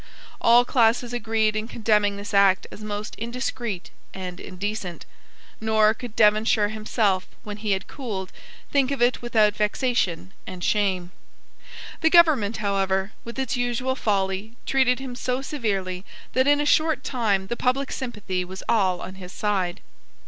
All classes agreed in condemning this act as most indiscreet and indecent; nor could Devonshire himself, when he had cooled, think of it without vexation and shame. The government, however, with its usual folly, treated him so severely that in a short time the public sympathy was all on his side.